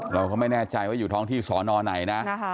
เราก็ไม่แน่ใจว่าอยู่ท้องที่สอนอไหนนะ